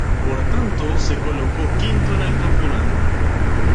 Por tanto, se colocó quinto en el campeonato.